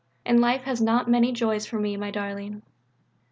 And life has not many joys for me, my darling.